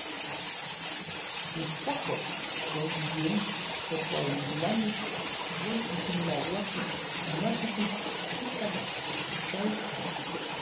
Ijkuakon, Don Guillén otlailnamik uan okinnauati makikitskikan Ketsaltsin.